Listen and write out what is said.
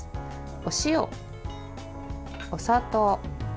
お塩、お砂糖。